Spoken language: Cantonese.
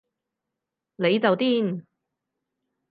你就癲